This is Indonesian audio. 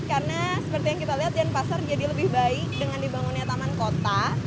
karena seperti yang kita lihat denpasar jadi lebih baik dengan dibangunnya taman kota